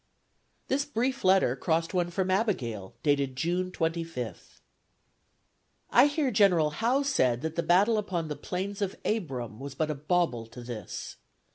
This brief letter crossed one from Abigail, dated June 25th. "I hear that General Howe said that the battle upon the Plains of Abram was but a bauble to this.